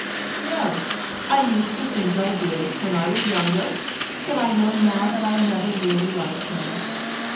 "No, I used to think I did, when I was younger, but I know now that I never really liked him."